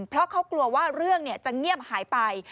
เพราะเขากลัวว่าเรื่องจะเงียบหายไป